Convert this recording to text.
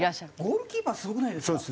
ゴールキーパーすごくないですか？